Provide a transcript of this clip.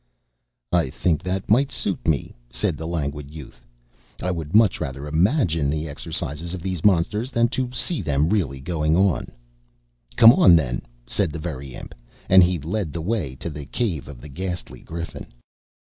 "I think that might suit me," said the Languid Youth. "I would much rather imagine the exercises of these monsters than to see them really going on." "Come on, then," said the Very Imp, and he led the way to the cave of the Ghastly Griffin.